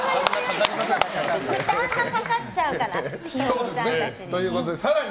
時間がかかっちゃうからヒヨコちゃんたちに。